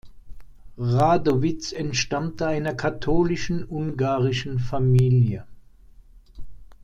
Radowitz entstammte einer katholischen, ungarischen Familie.